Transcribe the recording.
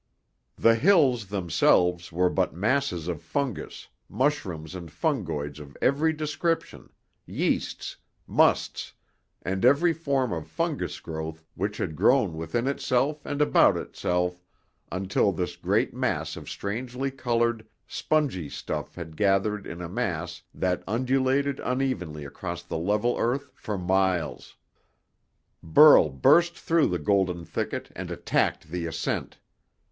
The hills, themselves, were but masses of fungus, mushrooms and fungoids of every description, yeasts, "musts," and every form of fungus growth which had grown within itself and about itself until this great mass of strangely colored, spongy stuff had gathered in a mass that undulated unevenly across the level earth for miles. Burl burst through the golden thicket and attacked the ascent.